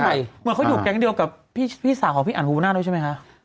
เหมือนเขาอยู่แก๊งเดียวกับพี่สาวของพี่อันฮูน่าด้วยใช่ไหมคะ